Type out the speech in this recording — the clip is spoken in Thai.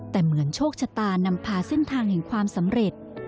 แต่เหมือนโชคชะตานำพาเส้นทางแห่งความสำเร็จ